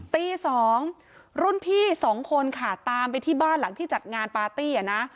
ตี๒รุ่นพี่สองคนค่ะตามไปที่บ้านหลังที่จัดงานปาร์ตี้อะนะ